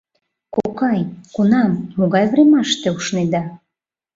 — Кокай, кунам, могай времаште ушненда?